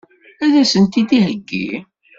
Ad as-tent-id-iheggi?